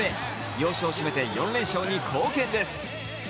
要所を締めて４連勝に貢献です。